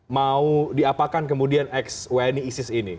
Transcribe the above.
mau diapakan kemudian eks wni eksisis ini